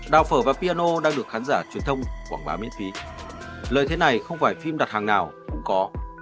đào phở và piano đang được khán giả truyền thông quảng bá miễn phí lợi thế này không phải phim đặt hàng nào cũng có